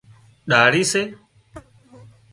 ڏاۯ سي